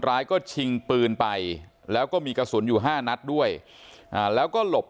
ร้ายก็ชิงปืนไปแล้วก็มีกระสุนอยู่๕นัดด้วยแล้วก็หลบ